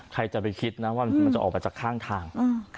ใครจะไปคิดนะว่ามันจะออกมาจากข้างทาง